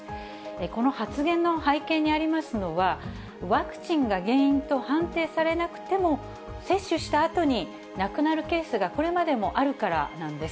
この発言の背景にありますのは、ワクチンが原因と判定されなくても、接種したあとに亡くなるケースがこれまでもあるからなんです。